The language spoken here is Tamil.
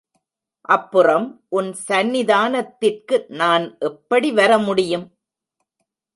அப்புறம் உன் சந்நிதானத்திற்கு நான் எப்படி வர முடியும்?